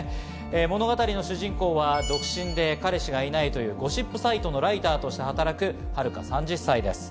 物語の主人公は、独身で彼氏がいないというゴシップサイトのライターとして働く遥、３３歳です。